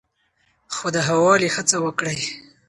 خو د ښه والي هڅه وکړئ.